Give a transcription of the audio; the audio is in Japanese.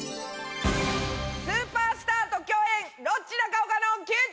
スーパースターと共演！